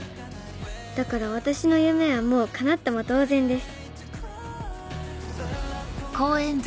だから私の夢はもう叶ったも同然です」。